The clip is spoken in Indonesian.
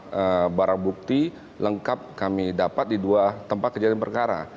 kemudian barang bukti lengkap kami dapat di dua tempat kejadian perkara